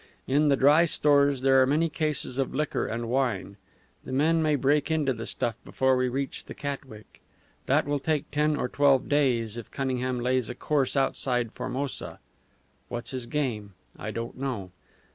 In the dry stores there are many cases of liquor and wine. The men may break into the stuff before we reach the Catwick. That will take ten or twelve days if Cunningham lays a course outside Formosa. What's his game? I don't know.